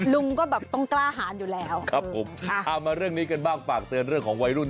ลุงก็แบบต้องกล้าหารอยู่แล้วครับผมค่ะเอามาเรื่องนี้กันบ้างฝากเตือนเรื่องของวัยรุ่น